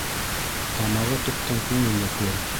Тамағы туҡтың күңеле көр.